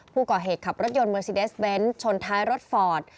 ผู้ก่อเหตุขับรถยนต์เมอร์ซีเดสเบนท์ชนท้ายรถฟอร์ด